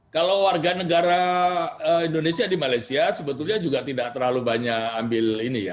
kalau warga negara indonesia di malaysia sebetulnya juga tidak terlalu banyak ambil ini ya